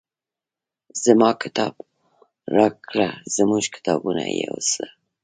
زما کتاب راکړه زموږ کتابونه یوسه.